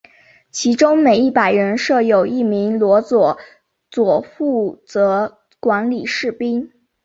其中每一百人设有一名罗苴佐负责管理士兵。